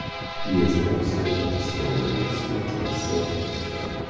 He is also a historian of skate and surf culture.